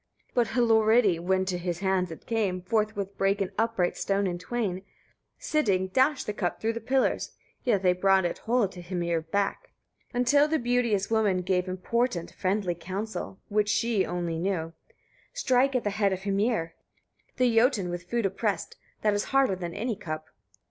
29. But Hlorridi, when to his hands it came, forthwith brake an upright stone in twain; sitting dashed the cup through the pillars: yet they brought it whole to Hymir back. 30. Until the beauteous woman gave important, friendly counsel, which she only knew: "Strike at the head of Hymir, the Jotun with food oppressed, that is harder than any cup."